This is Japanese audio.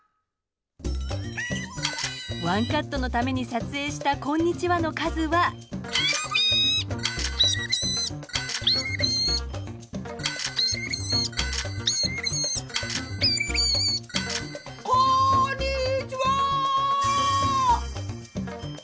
１カットのために撮影した「こんにちは」の数はこんにちは！